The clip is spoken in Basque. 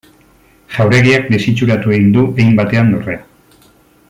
Jauregiak desitxuratu egin du hein batean dorrea.